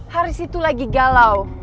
haris itu lagi galau